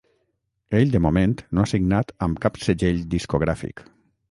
Ell de moment no ha signat amb cap segell discogràfic.